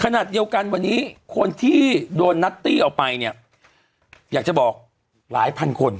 ขนาดเดียวกันวันนี้คนที่โดนนัตตี้ออกไปเนี่ยอยากจะบอกหลายพันคน